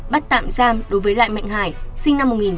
bắt tạm giam đối với lại mạnh hải sinh năm một nghìn chín trăm tám mươi